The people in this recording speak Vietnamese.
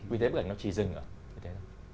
vì thế bức ảnh nó chỉ dừng ở thế đó